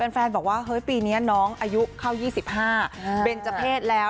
แฟนบอกว่าเฮ้ยปีนี้น้องอายุเข้า๒๕เบนเจอร์เพศแล้ว